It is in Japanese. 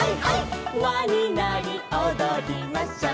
「わになりおどりましょう」